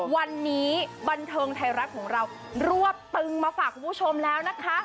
วันนี้บันเทิงไทยรัฐของเรารวบตึงมาฝากคุณผู้ชมแล้วนะคะ